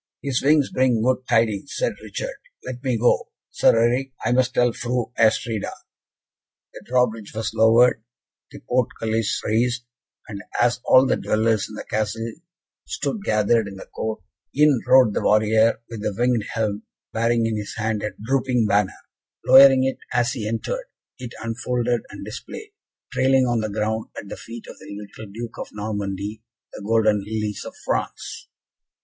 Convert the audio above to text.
"His wings bring good tidings," said Richard. "Let me go, Sir Eric, I must tell Fru Astrida." The drawbridge was lowered, the portcullis raised, and as all the dwellers in the Castle stood gathered in the court, in rode the warrior with the winged helm, bearing in his hand a drooping banner; lowering it as he entered, it unfolded, and displayed, trailing on the ground at the feet of the little Duke of Normandy, the golden lilies of France.